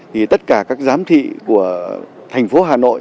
thì tất cả các giám thị của thành phố hà nội